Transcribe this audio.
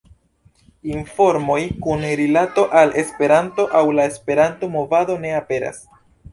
Informoj kun rilato al Esperanto aŭ la Esperanto-movado ne aperas.